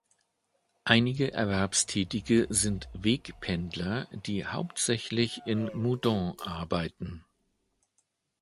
Einige Erwerbstätige sind Wegpendler, die hauptsächlich in Moudon arbeiten.